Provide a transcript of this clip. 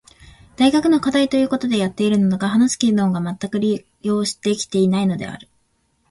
大学の課題と言うことでやっているのだが話す機能がまったく利用できていないのである。